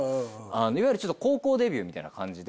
いわゆる高校デビューみたいな感じで。